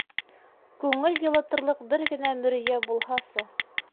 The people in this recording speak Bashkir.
Күңел йылытырлыҡ бер генә мөрйә булһасы.